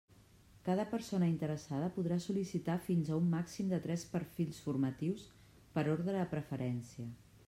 Cada persona interessada podrà sol·licitar fins a un màxim de tres perfils formatius per ordre de preferència.